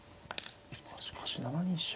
しかし７二飛車。